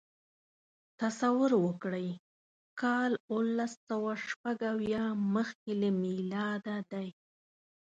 تصور وکړئ کال اوولسسوهشپږاویا مخکې له میلاده دی.